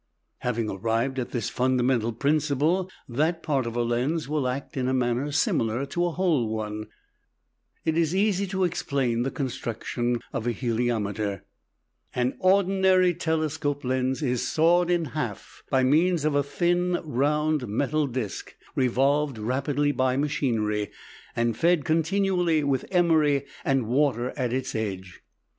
Having arrived at the fundamental principle that part of a lens will act in a manner similar to a whole one, it is easy to explain the construction of a heliometer. An ordinary telescope lens is sawed in half by means of a thin round metal disk revolved rapidly by machinery, and fed continually with emery and water at its edge.